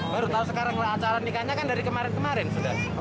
baru tahu sekarang acara nikahnya kan dari kemarin kemarin sudah